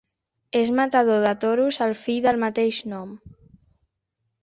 És matador de toros el fill del mateix nom.